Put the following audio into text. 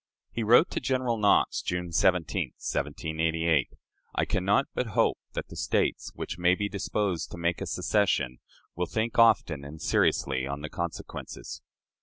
He wrote to General Knox, June 17, 1788, "I can not but hope that the States which may be disposed to make a secession will think often and seriously on the consequences."